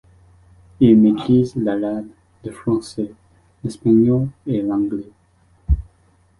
Il maîtrise l'arabe, le français, l'espagnol et l'anglais.